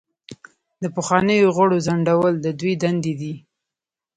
د پخوانیو غړو ځنډول د دوی دندې دي.